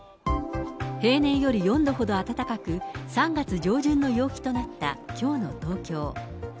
平年より４度ほど暖かく、３月上旬の陽気となったきょうの東京。